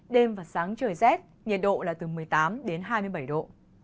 đêm và sáng trời rét nhiệt độ là từ một mươi tám đến hai mươi bảy độ